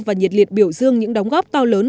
và nhiệt liệt biểu dương những đóng góp to lớn